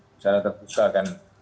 secara terbuka kan